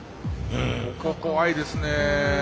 ここ怖いですね。